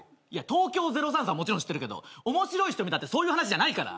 東京０３さんはもちろん知ってるけど面白い人見たってそういう話じゃないから。